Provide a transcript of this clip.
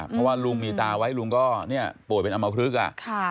เพราะว่าลุงมีตาไว้ลุงก็ป่วยเป็นอำเมาคลึก